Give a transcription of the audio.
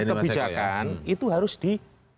kebijakan itu harus di